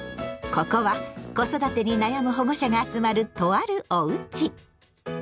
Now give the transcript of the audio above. ここは子育てに悩む保護者が集まるとある「おうち」。